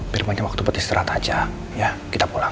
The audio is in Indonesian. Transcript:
biar banyak waktu beristirahat aja ya kita pulang